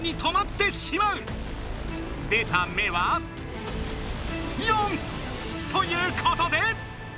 出た目は４！ということで！